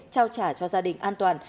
trao trả cho gia đình an toàn